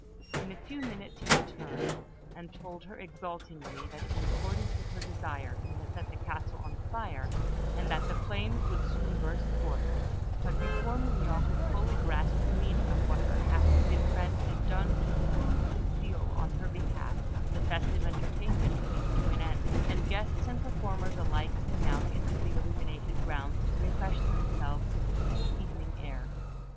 In a few minutes he returned, and told her exultingly that, in accordance with her desire, he had set the castle on fire, and that the flames would soon burst forth; but before Mignon could fully grasp the meaning of what her half witted friend had done to prove his zeal on her behalf, the festive entertainment came to an end, and guests and performers alike came out into the illuminated grounds to refresh themselves in the cool evening air.